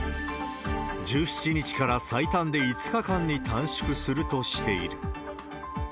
１７日から最短で５日間に短縮するとしている。